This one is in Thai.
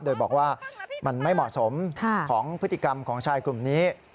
โดยบอกว่ามันไม่เหมาะสมของพฤติกรรมของชายกลุ่มนี้